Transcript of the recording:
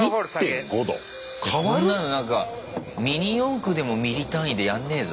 こんなのなんかミニ四駆でもミリ単位でやんねえぞ。